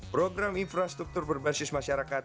program infrastruktur berbasis masyarakat